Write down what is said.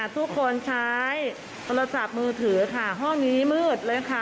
ทุกคนใช้โทรศัพท์มือถือค่ะห้องนี้มืดเลยค่ะ